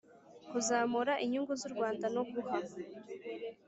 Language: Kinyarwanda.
Kuzamura inyungu z u rwanda no guha